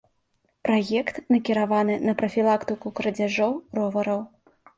Праект накіраваны на прафілактыку крадзяжоў ровараў.